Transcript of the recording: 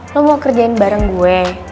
lo mau kerjain bareng gue